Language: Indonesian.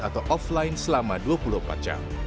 atau offline selama dua puluh empat jam